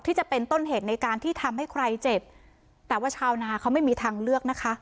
จะเป็นต้นเหตุในการที่ทำให้ใครเจ็บแต่ว่าชาวนาเขาไม่มีทางเลือกนะคะ